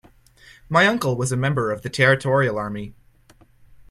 My uncle was a member of the Territorial Army